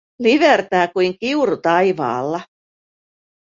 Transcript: Livertää kuin kiuru taivaalla.